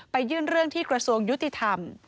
ยื่นเรื่องที่กระทรวงยุติธรรม